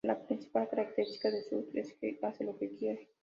La principal característica de Stuart es que hace lo que quiere.